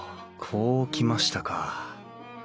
こうきましたか。